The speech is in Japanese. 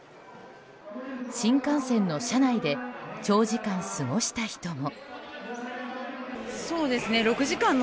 新幹線の車内で長時間、過ごした人も。